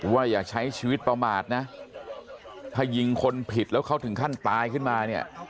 อย่าใช้ชีวิตประมาทนะถ้ายิงคนผิดแล้วเขาถึงขั้นตายขึ้นมาเนี่ย